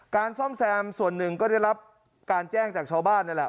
ซ่อมแซมส่วนหนึ่งก็ได้รับการแจ้งจากชาวบ้านนั่นแหละ